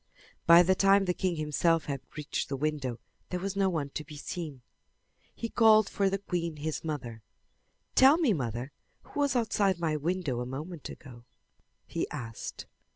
By the time the king himself had reached the window there was no one to be seen. He called for the queen, his mother. "Tell me, mother, who was outside my window a moment ago?" he asked.